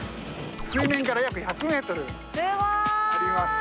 水面から約１００メートルあります。